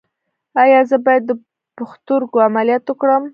ایا زه باید د پښتورګو عملیات وکړم؟